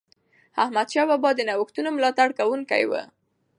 احمدشاه بابا د نوښتونو ملاتړ کوونکی و.